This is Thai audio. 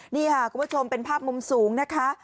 นี่ค่ะคุณผู้ชมเป็นภาพมุมสูงนะคะ